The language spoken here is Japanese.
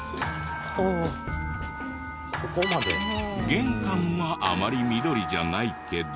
玄関はあまり緑じゃないけど。